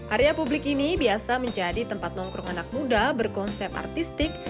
area publik ini biasa menjadi tempat nongkrong anak muda berkonsep artistik